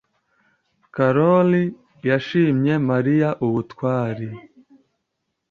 Karoli yashimye Mariya ubutwari.